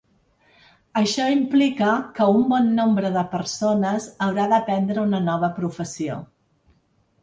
Això implica que un bon nombre de persones haurà d’aprendre una nova professió.